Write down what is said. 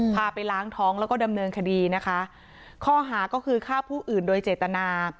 พาไปล้างท้องแล้วก็ดำเนินคดีนะคะข้อหาก็คือฆ่าผู้อื่นโดยเจตนา